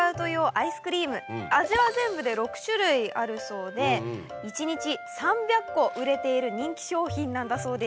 味は全部で６種類あるそうで１日３００個売れている人気商品なんだそうです。